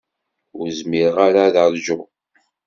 Ur zmireɣ ara ad ṛjuɣ.